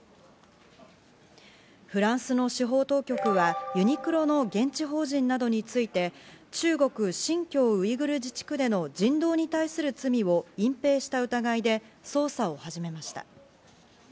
フランスの司法当局はユニクロの現地法人などについて、中国・新疆ウイグル自治区での人道に対する罪を隠蔽した疑いで捜査を始めました。